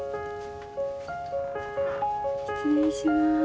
失礼します。